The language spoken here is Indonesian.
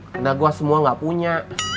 karena gue semua gak punya